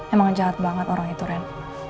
emang jahat banget orang itu ren